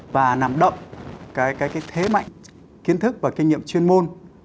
và nằm động cái thế mạnh kiến thức và kinh nghiệm chuyên môn